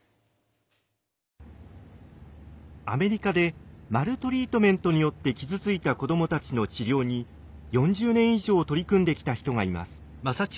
アメリカでマルトリートメントによって傷ついた子どもたちの治療に４０年以上取り組んできた人がいます。